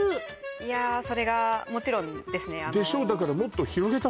いやーそれがもちろんですねでしょ？